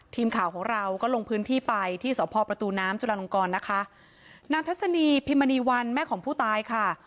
ทีมข่าวของเราก็ลงพื้นที่ไปที่สพประตูน้ำจุลาลงกรนะคะนางทัศนีพิมณีวันแม่ของผู้ตายค่ะ